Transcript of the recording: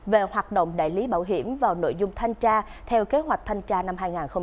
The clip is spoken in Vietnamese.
về hoạt động đại lý bảo hiểm vào nội dung thanh tra theo kế hoạch thanh tra năm hai nghìn hai mươi